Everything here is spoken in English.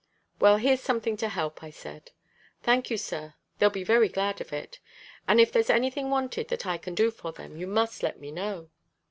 "Well, here's something to help," I said. "Thank you, sir. They'll be very glad of it." "And if there's anything wanted that I can do for them, you must let me know."